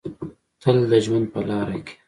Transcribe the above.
تل د ژوند په لاره کې